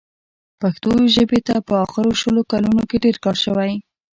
پښتو ژبې ته په اخرو شلو کالونو کې ډېر کار شوی.